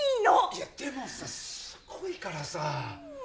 いやでもさすごいからさ。